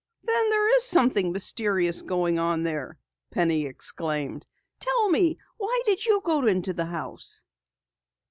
"Then there is something mysterious going on there!" Penny exclaimed. "Tell me, why did you go to the house?"